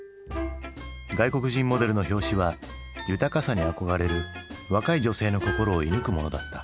外国人モデルの表紙は豊かさに憧れる若い女性の心を射ぬくものだった。